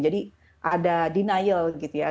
jadi ada denial gitu ya